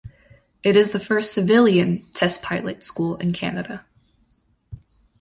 It is the first civilian test pilot school in Canada.